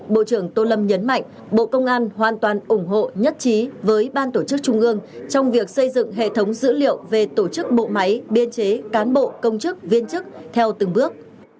bộ trưởng tô lâm nhấn mạnh bộ công an hoàn toàn ủng hộ nhất trí với ban tổ chức trung ương trong việc xây dựng hệ thống dữ liệu về tổ chức bộ máy biên chế cán bộ công chức viên chức theo từng bước